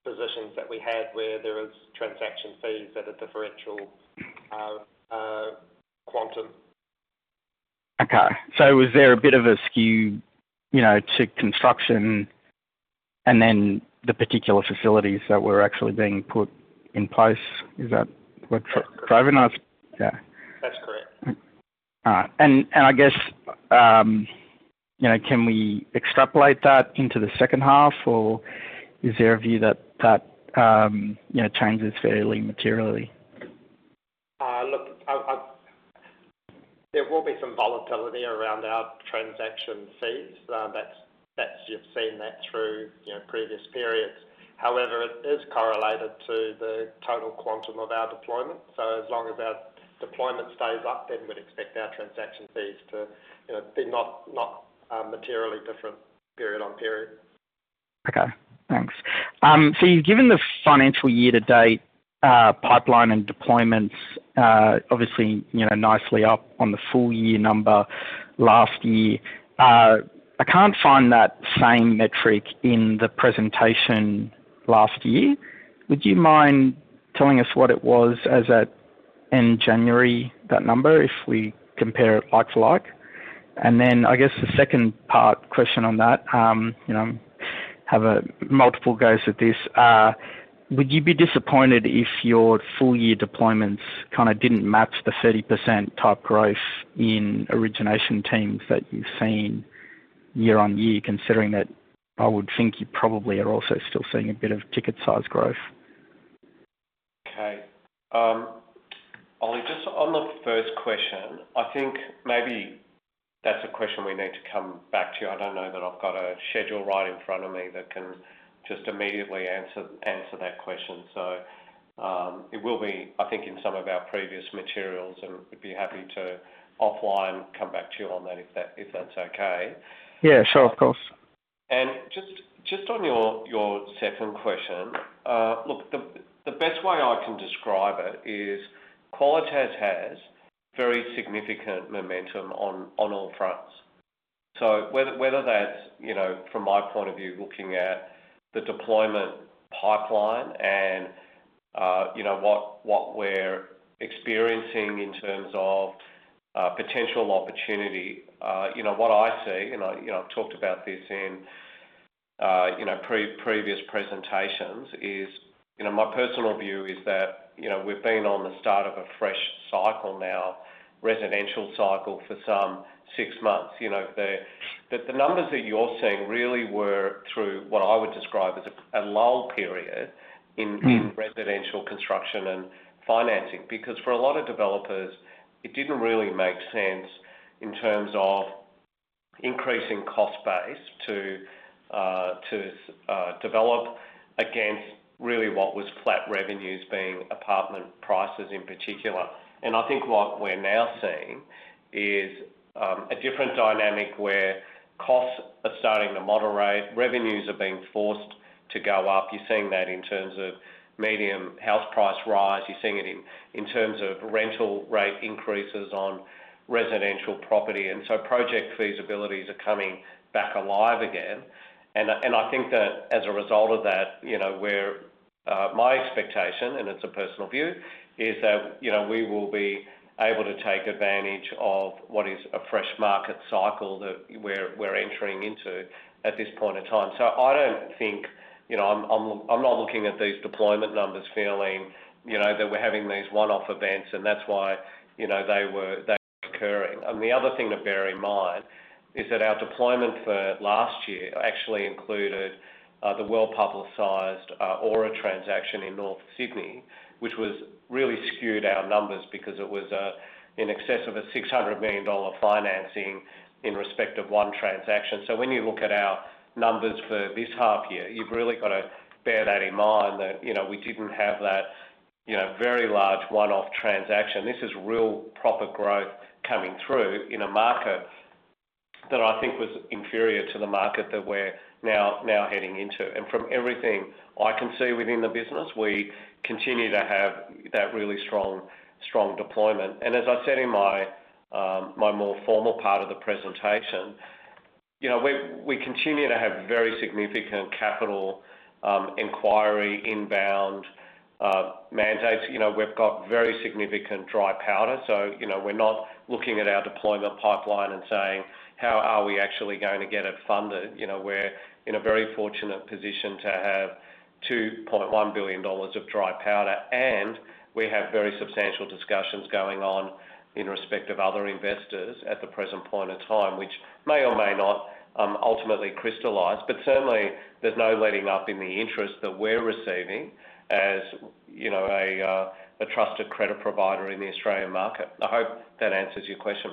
positions that we had, where there is transaction fees at a differential quantum. Okay. So was there a bit of a skew, you know, to construction and then the particular facilities that were actually being put in place? Is that what's driving or...? Yeah. That's correct. I guess, you know, can we extrapolate that into the second half, or is there a view that you know, changes fairly materially? Look, there will be some volatility around our transaction fees. That's what you've seen that through, you know, previous periods. However, it is correlated to the total quantum of our deployment. So as long as our deployment stays up, then we'd expect our transaction fees to, you know, be not materially different period on period. Okay, thanks. So given the financial year to date pipeline and deployments, obviously, you know, nicely up on the full year number last year, I can't find that same metric in the presentation last year. Would you mind telling us what it was as at end January, that number, if we compare it like to like? And then I guess the second part question on that, you know, have a multiple goes at this. Would you be disappointed if your full year deployments kind of didn't match the 30% type growth in origination teams that you've seen year-on-year, considering that I would think you probably are also still seeing a bit of ticket size growth? Okay. Ollie, just on the first question, I think maybe that's a question we need to come back to you. I don't know that I've got a schedule right in front of me that can just immediately answer that question. So, it will be, I think, in some of our previous materials, and we'd be happy to offline come back to you on that, if that's okay. Yeah, sure. Of course. And just on your second question, look, the best way I can describe it is Qualitas has very significant momentum on all fronts. So whether that's, you know, from my point of view, looking at the deployment pipeline and, you know, what we're experiencing in terms of potential opportunity, you know, what I see, and I, you know, I've talked about this in, you know, previous presentations, is, you know, my personal view is that, you know, we've been on the start of a fresh cycle now, residential cycle, for some six months. You know, the numbers that you're seeing really were through what I would describe as a lull period in residential construction and financing, because for a lot of developers, it didn't really make sense in terms of increasing cost base to develop against really what was flat revenues, being apartment prices in particular. And I think what we're now seeing is a different dynamic, where costs are starting to moderate. Revenues are being forced to go up. You're seeing that in terms of median house price rise. You're seeing it in terms of rental rate increases on residential property, and so project feasibilities are coming back alive again. And I think that as a result of that, you know, my expectation, and it's a personal view, is that, you know, we will be able to take advantage of what is a fresh market cycle that we're entering into at this point in time. So I don't think, you know, I'm not looking at these deployment numbers feeling, you know, that we're having these one-off events, and that's why, you know, they were, they're occurring. And the other thing to bear in mind is that our deployment for last year actually included the well-publicized Aura transaction in North Sydney, which really skewed our numbers because it was a, in excess of 600 million dollar financing in respect of one transaction. So when you look at our numbers for this half year, you've really got to bear that in mind that, you know, we didn't have that, you know, very large, one-off transaction. This is real proper growth coming through in a market that I think was inferior to the market that we're now heading into. From everything I can see within the business, we continue to have that really strong, strong deployment. As I said in my more formal part of the presentation, you know, we continue to have very significant capital inquiry, inbound mandates. You know, we've got very significant dry powder, so, you know, we're not looking at our deployment pipeline and saying: How are we actually going to get it funded? You know, we're in a very fortunate position to have 2.1 billion dollars of dry powder, and we have very substantial discussions going on in respect of other investors at the present point in time, which may or may not ultimately crystallize. But certainly, there's no letting up in the interest that we're receiving, as, you know, a trusted credit provider in the Australian market. I hope that answers your question.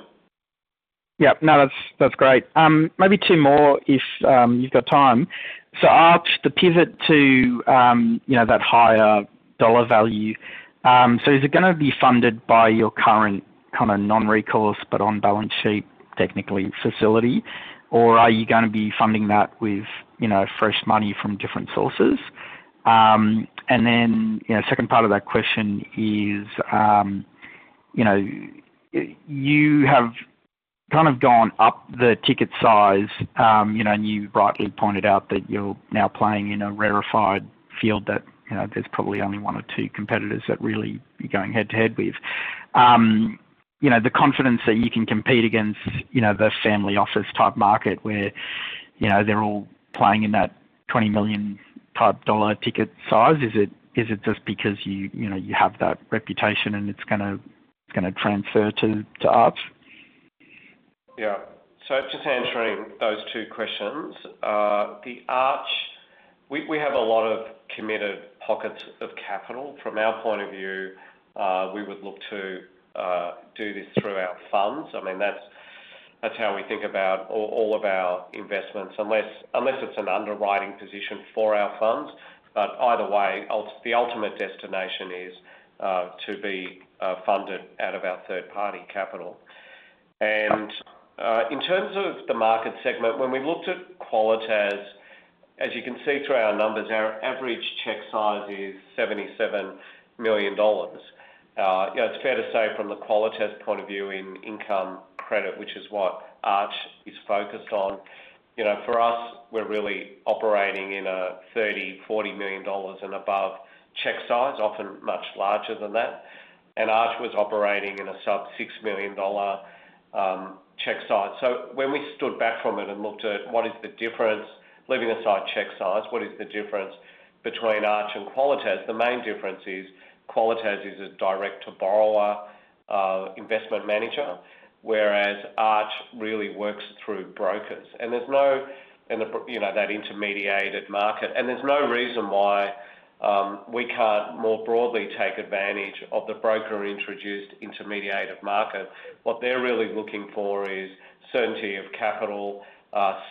Yep. No, that's great. Maybe two more, if you've got time. So Arch, the pivot to you know, that higher dollar value, so is it gonna be funded by your current kind of non-recourse, but on balance sheet, technically facility, or are you gonna be funding that with, you know, fresh money from different sources? And then, you know, second part of that question is, you know, you have kind of gone up the ticket size, you know, and you rightly pointed out that you're now playing in a rarefied field that, you know, there's probably only one or two competitors that really you're going head-to-head with. You know, the confidence that you can compete against, you know, the family office type market where, you know, they're all playing in that 20 million-type dollar ticket size, is it, is it just because you, you know, you have that reputation and it's gonna, gonna transfer to, to Arch? Yeah. So just answering those two questions, the Arch, we, we have a lot of committed pockets of capital. From our point of view, we would look to do this through our funds. I mean, that's, that's how we think about all, all of our investments, unless, unless it's an underwriting position for our funds, but either way, ultimately the ultimate destination is to be funded out of our third-party capital. Got it. And, in terms of the market segment, when we looked at Qualitas, as you can see through our numbers, our average cheque size is 77 million dollars. You know, it's fair to say from the Qualitas point of view in income credit, which is what Arch is focused on, you know, for us, we're really operating in a 30-40 million dollars and above cheque size, often much larger than that. And Arch was operating in a sub-AUD 6 million cheque size. So when we stood back from it and looked at what is the difference, leaving aside cheque size, what is the difference between Arch and Qualitas? The main difference is Qualitas is a direct-to-borrower investment manager, whereas Arch really works through brokers. And there's no reason why we can't more broadly take advantage of the broker-introduced intermediated market. What they're really looking for is certainty of capital,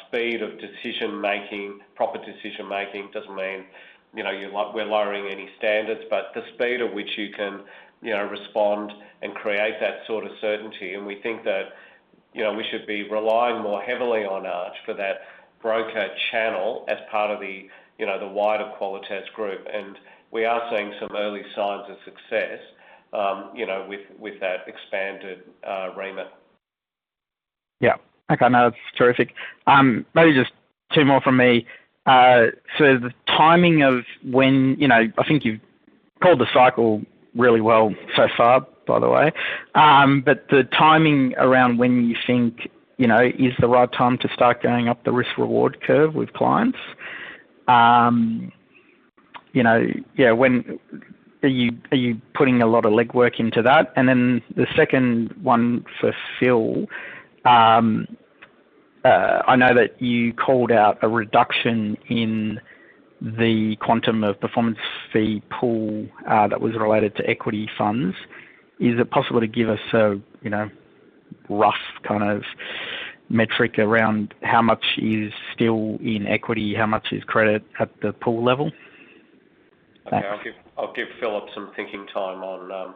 speed of decision making, proper decision making. Doesn't mean, you know, you're lo- we're lowering any standards, but the speed at which you can, you know, respond and create that sort of certainty, and we think that you know, we should be relying more heavily on Arch for that broker channel as part of the, you know, the wider Qualitas group. And we are seeing some early signs of success, you know, with that expanded remit. Yeah. Okay, no, that's terrific. Maybe just two more from me. So the timing of when, you know, I think you've called the cycle really well so far, by the way. But the timing around when you think, you know, is the right time to start going up the risk-reward curve with clients? You know, yeah, when are you putting a lot of legwork into that? And then the second one for Phil. I know that you called out a reduction in the quantum of performance fee pool that was related to equity funds. Is it possible to give us a rough kind of metric around how much is still in equity, how much is credit at the pool level? Okay. I'll give Philip some thinking time on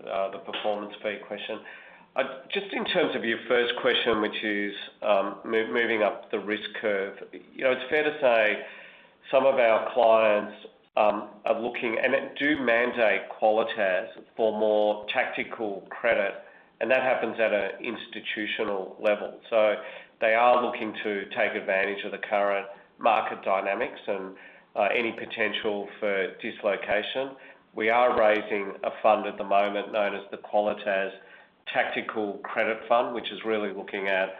the performance fee question. Just in terms of your first question, which is moving up the risk curve. You know, it's fair to say some of our clients are looking and do mandate Qualitas for more tactical credit, and that happens at an institutional level. So they are looking to take advantage of the current market dynamics and any potential for dislocation. We are raising a fund at the moment known as the Qualitas Tactical Credit Fund, which is really looking at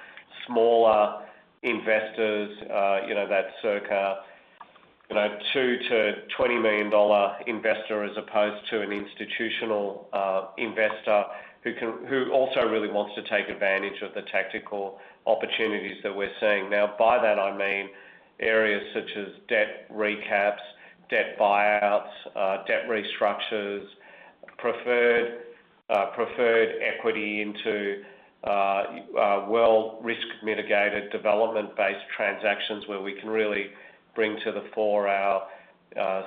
smaller investors, you know, that circa, you know, 2-20 million dollar investor, as opposed to an institutional investor, who also really wants to take advantage of the tactical opportunities that we're seeing. Now, by that I mean areas such as debt recaps, debt buyouts, debt restructures, preferred, preferred equity into, well risk mitigated development-based transactions, where we can really bring to the fore our,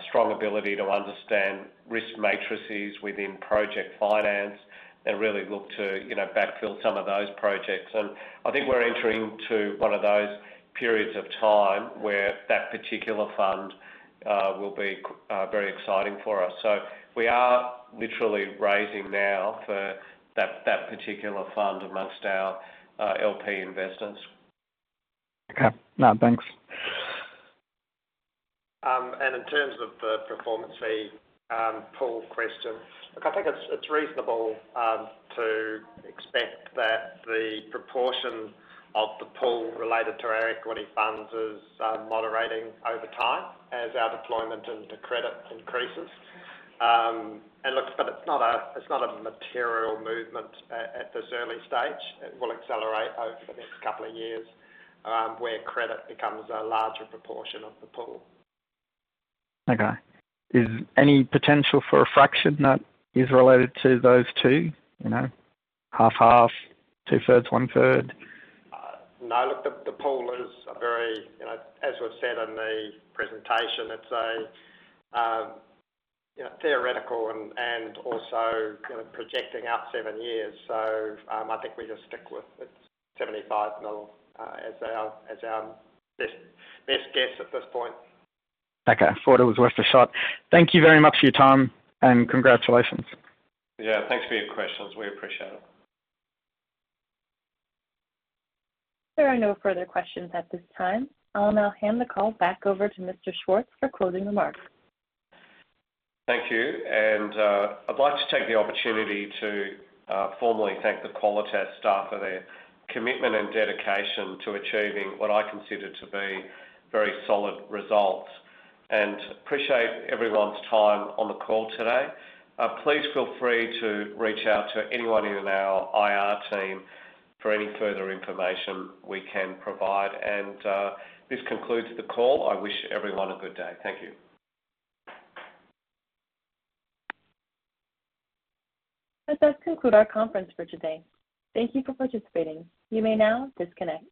strong ability to understand risk matrices within project finance and really look to, you know, backfill some of those projects. And I think we're entering into one of those periods of time where that particular fund, will be, very exciting for us. So we are literally raising now for that, that particular fund amongst our, LP investors. Okay. No, thanks. In terms of the performance fee pool question, look, I think it's reasonable to expect that the proportion of the pool related to our equity funds is moderating over time as our deployment into credit increases. Look, but it's not a material movement at this early stage. It will accelerate over the next couple of years, where credit becomes a larger proportion of the pool. Okay. Is any potential for a fraction that is related to those two, you know, 50/50, 2/3, 1/3? No. Look, the pool is a very, you know, as we've said in the presentation, it's a, you know, theoretical and also, you know, projecting out seven years. So, I think we just stick with it, 75 million, as our best guess at this point. Okay. Thought it was worth a shot. Thank you very much for your time, and congratulations. Yeah, thanks for your questions. We appreciate it. There are no further questions at this time. I'll now hand the call back over to Mr. Schwartz for closing remarks. Thank you. And I'd like to take the opportunity to formally thank the Qualitas staff for their commitment and dedication to achieving what I consider to be very solid results. And appreciate everyone's time on the call today. Please feel free to reach out to anyone in our IR team for any further information we can provide. And this concludes the call. I wish everyone a good day. Thank you. That does conclude our conference for today. Thank you for participating. You may now disconnect.